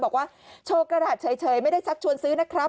บอกว่าโชว์กระดาษเฉยไม่ได้ชักชวนซื้อนะครับ